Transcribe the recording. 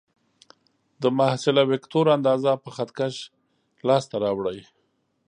د محصله وکتور اندازه په خط کش لاس ته راوړئ.